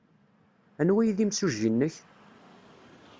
Anwa ay d imsujji-nnek?